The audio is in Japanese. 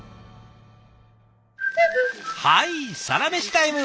はいサラメシタイム！